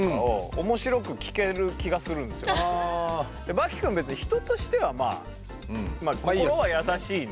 刃牙くん別に人としてはまあ心は優しいんで。